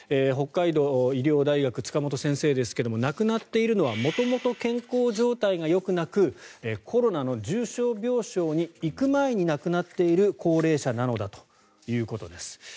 北海道医療大学の塚本先生ですが亡くなっているのは元々、健康状態がよくなくコロナの重症病床に行く前に亡くなっている高齢者なのだということです。